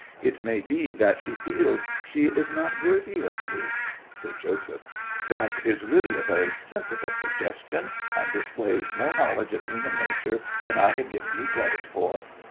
It may be that she feels she is not worthy of you. SIR JOSEPH. That is really a very sensible suggestion, and displays more knowledge of human nature than I had given you credit for.